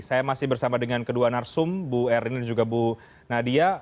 saya masih bersama dengan kedua narsum bu erlina dan juga bu nadia